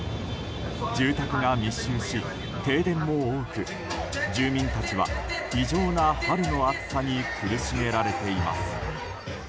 住宅が密集し、停電も多く住民たちは異常な春の暑さに苦しめられています。